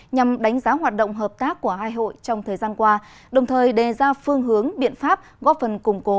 nhằm đánh giá hoạt động hợp tác của hai hội trong thời gian qua đồng thời đề ra phương hướng biện pháp góp phần củng cố